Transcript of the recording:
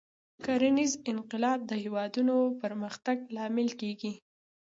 کرنیز انقلاب د هېوادونو پرمختګ لامل کېږي.